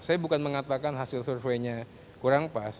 saya bukan mengatakan hasil surveinya kurang pas